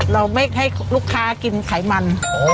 เราไม่ให้ลูกค้ากินไขมัน